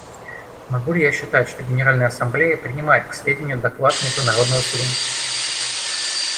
Могу ли я считать, что Генеральная Ассамблея принимает к сведению доклад Международного Суда?